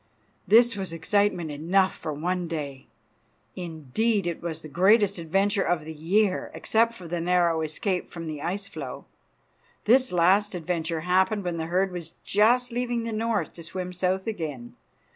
This was excitement enough for one day. Indeed, it was the greatest adventure of the year, except for the narrow escape from the ice floe. This last adventure happened when the herd was just leaving the north to swim south again.